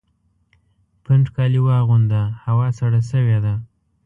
پنډ کالي واغونده ! هوا سړه سوې ده